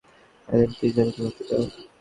Alan, please, আমাকে ভাবতে দাও।